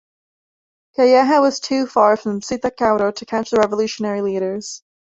Calleja was too far from Zitacuaro to catch the revolutionary leaders.